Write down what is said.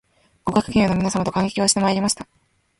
ご学友の皆様と観劇をしてまいりました